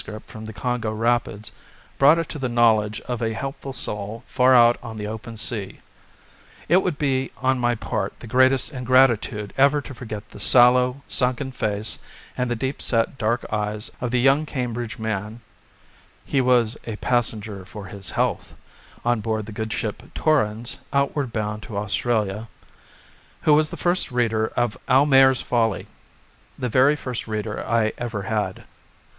from the Congo rapids brought it to the knowledge of a helpful soul far out on the open sea. It would be on my part the greatest ingratitude ever to forget the sallow, sunken face and the deep set, dark eyes of the young Cambridge man (he was a "passenger for his health" on board the good ship Torrens outward bound to Australia) who was the first reader of "Almayer's Folly" the very first reader I ever had.